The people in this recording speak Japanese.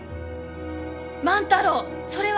万太郎それは！